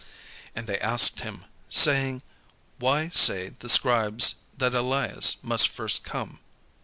And they asked him, saying, "Why say the scribes that Elias must first come?"